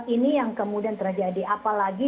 ini yang kemudian terjadi apalagi